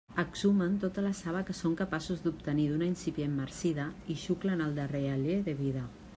Exhumen tota la saba que són capaços d'obtenir d'una incipient marcida i xuclen el darrer alé de vida.